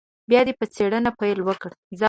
بیا دې په څېړنه پیل وکړي.